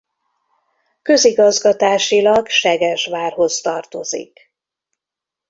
Közigazgatásilag Segesvárhoz tartozik.